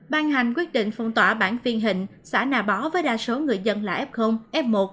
ban hành quyết định phong tỏa bản phiên hình xã nà bó với đa số người dân là f f một